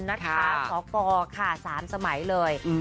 นักค้าศกค่ะ๓สมัยเลย